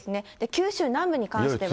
九州南部に関しては。